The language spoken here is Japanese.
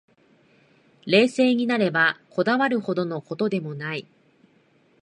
冷静になれば、こだわるほどの事でもない